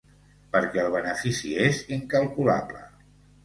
Perquè el benefici és incalculable.